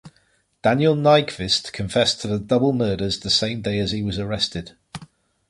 Daniel Nyqvist confessed to the double murders the same day as he was arrested.